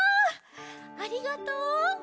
ありがとう！